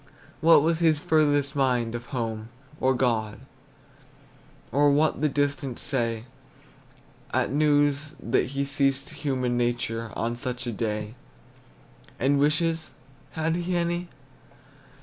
What was his furthest mind, of home, or God, Or what the distant say At news that he ceased human nature On such a day? And wishes, had he any?